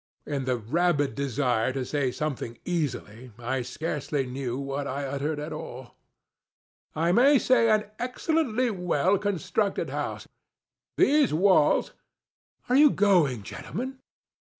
ŌĆØ (In the rabid desire to say something easily, I scarcely knew what I uttered at all.)ŌĆöŌĆ£I may say an excellently well constructed house. These wallsŌĆöare you going, gentlemen?